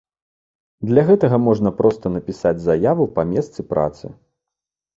Для гэтага можна проста напісаць заяву па месцы працы.